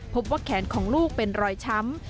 พบว่าแขนของลูกเป็นรอยช้ำ